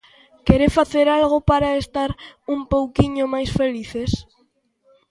Queren facer algo para estar un pouquiño máis felices.